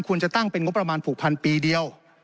ควรจะตั้งเป็นงบประมาณผูกพันปีเดียว